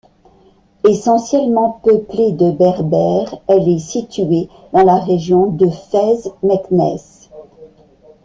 Essentiellement peuplée de berbères, elle est située dans la région de Fès-Meknès.